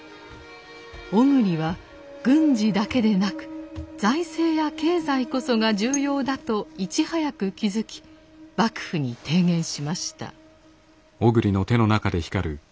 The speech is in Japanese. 小栗は軍事だけでなく財政や経済こそが重要だといち早く気付き幕府に提言しました。